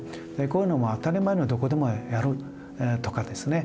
こういうのを当たり前のようにどこでもやるとかですね